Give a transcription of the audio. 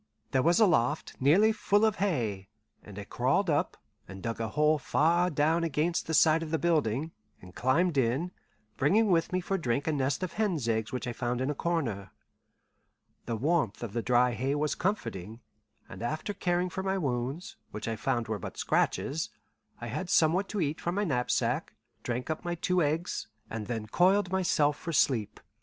There was a loft nearly full of hay, and I crawled up, and dug a hole far down against the side of the building, and climbed in, bringing with me for drink a nest of hen's eggs which I found in a corner. The warmth of the dry hay was comforting, and after caring for my wounds, which I found were but scratches, I had somewhat to eat from my knapsack, drank up two eggs, and then coiled myself for sleep.